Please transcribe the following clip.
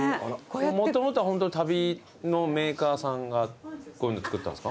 もともとはホントに足袋のメーカーさんがこういうの作ったんですか？